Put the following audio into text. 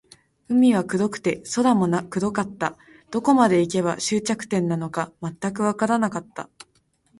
海は黒くて、空も黒かった。どこまで行けば、終着点なのか全くわからなかった。